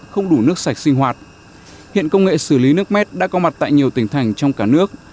không đủ nước sạch sinh hoạt hiện công nghệ xử lý nước mét đã có mặt tại nhiều tỉnh thành trong cả nước